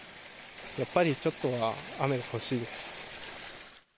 やっぱりちょっとは雨が欲しいです。